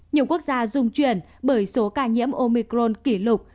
nhiều quốc gia dung chuyển bởi số ca nhiễm omicron kỷ lục